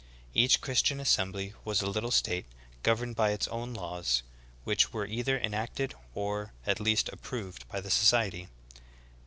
Each Christian assembly was a little state, governed by its own laws, which were either enacted, or, at least, approved by the society."